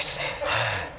はい。